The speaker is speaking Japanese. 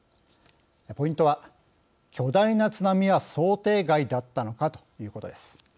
ポイントは巨大な津波は想定外だったのかということです。